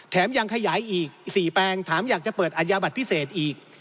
ยังขยายอีก๔แปลงถามอยากจะเปิดอัญญาบัตรพิเศษอีก